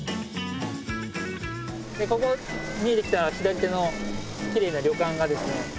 ここ見えてきた左手のきれいな旅館がですね